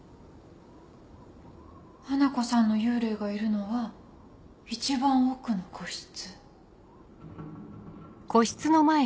花子さんの幽霊がいるのは一番奥の個室。